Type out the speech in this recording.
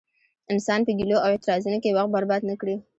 انسان په ګيلو او اعتراضونو کې وخت برباد نه کړي.